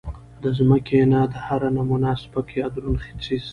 د زمکې نه د هر نمونه سپک يا درون څيز